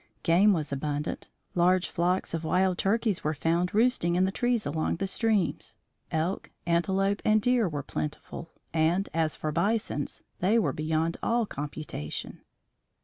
Game was abundant. Large flocks of wild turkeys were found roosting in the trees along the streams; elk, antelope and deer were plentiful, and as for bisons, they were beyond all computation.